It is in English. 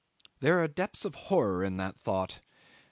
There are depths of horror in that thought.